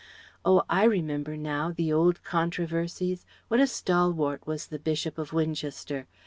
Oh, I remember now the old controversies what a stalwart was the Bishop of Winchester!